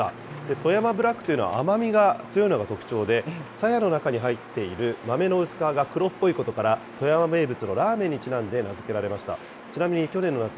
富山ブラックというのは、甘みが強いのが特徴で、さやの中に入っている豆の薄皮が黒っぽいことから、富山名物のラーメンにちなんで名付けられました。